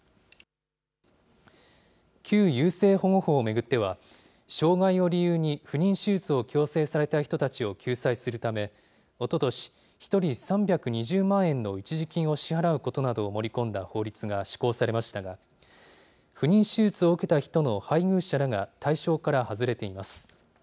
旧優生保護法を巡っては、障害を理由に不妊手術を強制された人たちを救済するため、おととし、１人３２０万円の一時金を支払うことなどを盛り込んだ法律が施行されましたが、不妊手術を受けた人の配偶者らが対象から外れています。